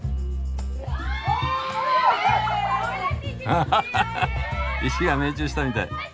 あははは石が命中したみたい。